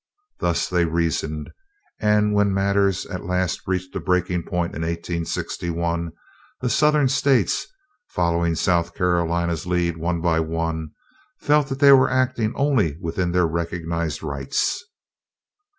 Thus they reasoned, and when matters at last reached a breaking point in 1861, the Southern States, following South Carolina's lead one by one, felt that they were acting only within their recognized rights.